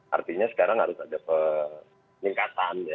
artinya sekarang harus ada peningkatan ya